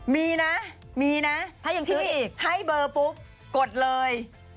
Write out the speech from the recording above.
มีนะที่ให้เบอร์ปุ๊บกดเลย